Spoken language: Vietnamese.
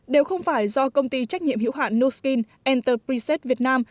điều không phải do công ty trách nhiệm hữu hạn nuskin enterprise vietnam